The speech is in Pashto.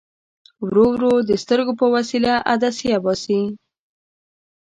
ورو ورو د سترګو په وسیله عدسیه باسي.